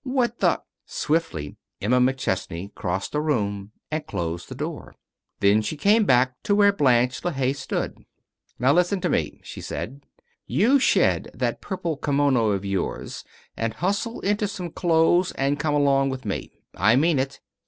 What the " Swiftly Emma McChesney crossed the room and closed the door. Then she came back to where Blanche LeHaye stood. "Now listen to me," she said. "You shed that purple kimono of yours and hustle into some clothes and come along with me. I mean it.